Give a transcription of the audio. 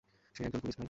সে একজন পুলিশ, ভাই।